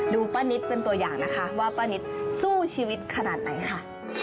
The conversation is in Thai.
ป้านิตเป็นตัวอย่างนะคะว่าป้านิตสู้ชีวิตขนาดไหนค่ะ